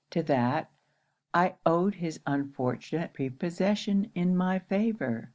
To that, I owed his unfortunate prepossession in my favour.